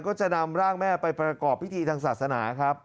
ก็จะนำร่างแม่ไปประกอบพิธีทางศาสนาครับ